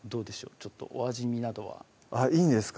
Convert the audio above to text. ちょっとお味見などはあっいいんですか？